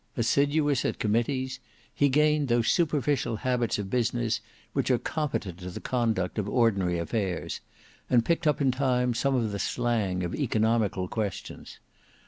Assiduous at committees he gained those superficial habits of business which are competent to the conduct of ordinary affairs, and picked up in time some of the slang of economical questions.